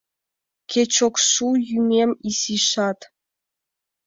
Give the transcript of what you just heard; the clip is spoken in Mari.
Кеч ок шу йӱмем изишат.